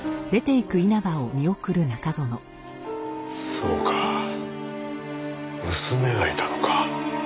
そうか娘がいたのか。